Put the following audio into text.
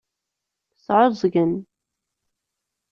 Sɛuẓẓgen.